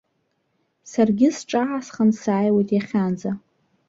Саргьы сҿаасхан сааиуеит иахьанӡа.